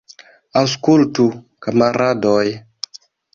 Aŭskultu, kamaradoj!